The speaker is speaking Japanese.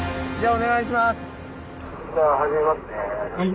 お願いします。